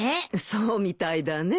そうみたいだね。